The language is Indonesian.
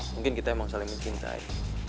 mungkin kita memang saling mencintai